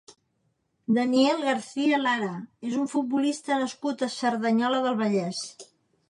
Daniel Garcia Lara és un futbolista nascut a Cerdanyola del Vallès.